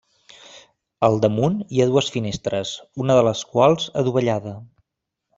Al damunt hi ha dues finestres, una de les quals adovellada.